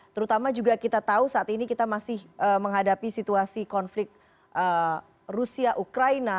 terutama juga kita tahu saat ini kita masih menghadapi situasi konflik rusia ukraina